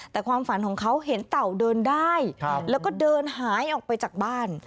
แต่ความฝันของเขาเห็นเต่าเดินได้แล้วก็เดินหายออกไปจากบ้าน